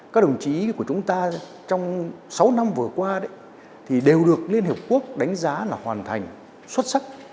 các đồng chí của chúng ta trong sáu năm vừa qua thì đều được liên hợp quốc đánh giá là hoàn thành xuất sắc